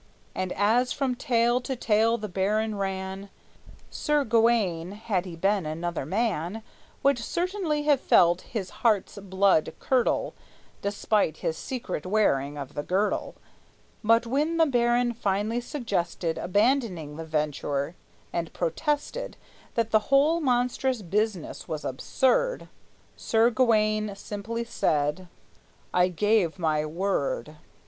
And as from tale to tale the baron ran, Sir Gawayne, had he been another man, Would certainly have felt his heart's blood curdle, Despite his secret wearing of the girdle; But when the baron finally suggested Abandoning the venture, and protested That the whole monstrous business was absurd, Sir Gawayne simply said: "I gave my word."